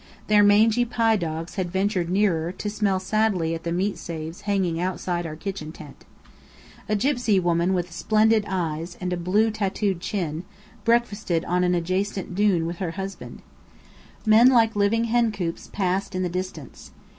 Their mangy pi dogs had ventured nearer, to smell sadly at the meat safes hanging outside our kitchen tent. A gypsy woman with splendid eyes and a blue tattooed chin, breakfasted on an adjacent dune with her husband. Men like living hencoops passed in the distance.